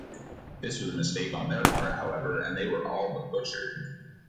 This was a mistake on their part, however, and they were all but butchered.